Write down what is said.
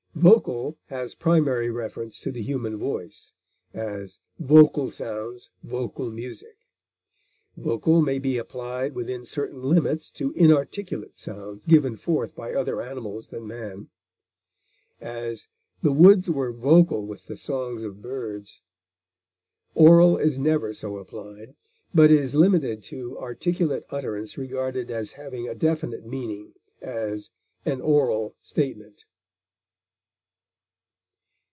Vocal has primary reference to the human voice; as, vocal sounds, vocal music; vocal may be applied within certain limits to inarticulate sounds given forth by other animals than man; as, the woods were vocal with the songs of birds; oral is never so applied, but is limited to articulate utterance regarded as having a definite meaning; as, an oral statement.